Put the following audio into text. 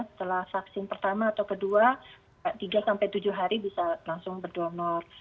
setelah vaksin pertama atau kedua tiga sampai tujuh hari bisa langsung berdonor